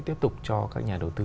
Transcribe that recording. tiếp tục cho các nhà đầu tư